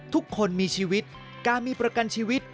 ทุกคนมีชีวิตการมีประกันชีวิต